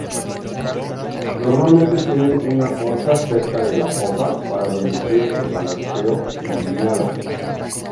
Normalmente tienen una orza cerca de la popa, para reducir el balanceo y guiñada.